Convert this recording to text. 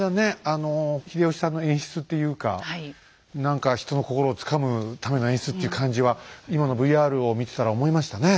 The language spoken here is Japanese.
あの秀吉さんの演出っていうか何か人の心をつかむための演出っていう感じは今のＶＲを見てたら思いましたね。